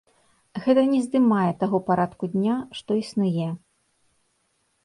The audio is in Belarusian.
Гэта не здымае таго парадку дня, што існуе.